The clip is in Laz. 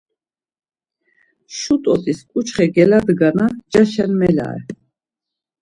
Şu t̆ot̆is ǩuçxe geladgana ncaşen melare.